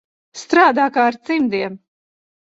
Strādā kā ar cimdiem.